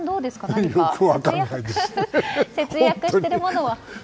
何か節約してるものは？